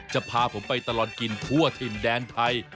จะพาผมไปตลอดกินทั่วถิ่นแดนไทย